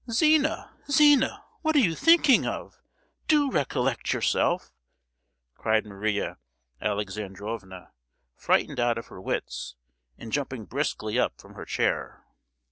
"Zina, Zina! what are you thinking of? Do recollect yourself!" cried Maria Alexandrovna, frightened out of her wits, and jumping briskly up from her chair.